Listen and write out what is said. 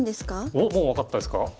おっもう分かったんですか？